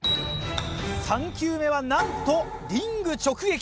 ３球目はなんとリング直撃！